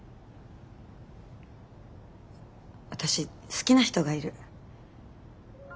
私好きな人がいる。